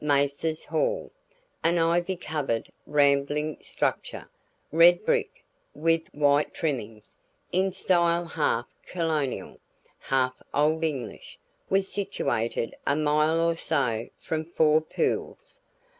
"Mathers Hall", an ivy covered rambling structure, red brick with white trimmings in style half colonial, half old English was situated a mile or so from Four Pools.